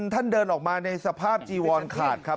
ท่านเดินออกมาในสภาพจีวอนขาดครับ